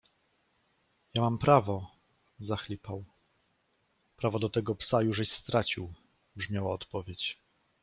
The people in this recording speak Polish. Ja mam prawo... - zachlipał. - Prawo do tego psa jużeś stracił brzmiała odpowiedź. -